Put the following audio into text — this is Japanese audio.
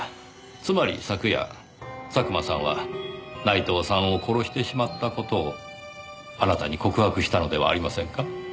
つまり昨夜佐久間さんは内藤さんを殺してしまった事をあなたに告白したのではありませんか？